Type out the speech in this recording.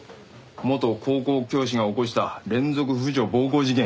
元高校教師が起こした連続婦女暴行事件。